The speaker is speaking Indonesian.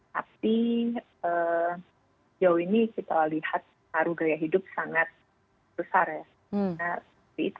tapi jauh ini kita lihat aru gaya hidup sangat besar ya